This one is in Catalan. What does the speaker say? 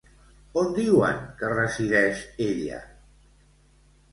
On diuen que resideix ella?